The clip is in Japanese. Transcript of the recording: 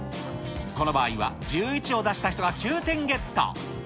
この場合は、１１を出した人が９点ゲット。